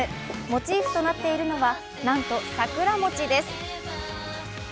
モチーフとなっているのはなんと桜餅です。